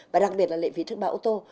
và đặc biệt là lợi phí thức báo ô tô